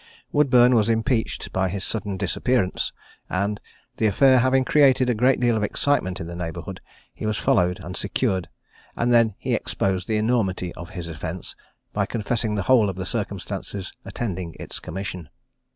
Woodburne was impeached by his sudden disappearance; and the affair having created a great deal of excitement in the neighbourhood, he was followed and secured, and then he exposed the enormity of his offence, by confessing the whole of the circumstances attending its commission.